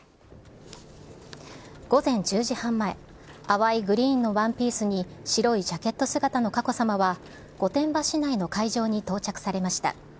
午前１０時半前、淡いグリーンのワンピースに、白いジャケット姿の佳子さまは、御殿場市内の会場に到着されました。